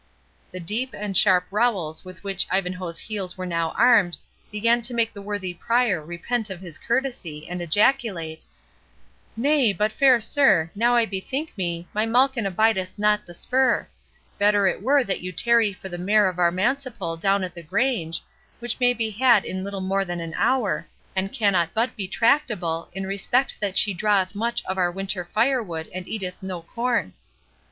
The deep and sharp rowels with which Ivanhoe's heels were now armed, began to make the worthy Prior repent of his courtesy, and ejaculate,—"Nay, but fair sir, now I bethink me, my Malkin abideth not the spur—Better it were that you tarry for the mare of our manciple down at the Grange, which may be had in little more than an hour, and cannot but be tractable, in respect that she draweth much of our winter fire wood, and eateth no corn."